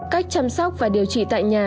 cách chăm sóc và điều trị tại nhà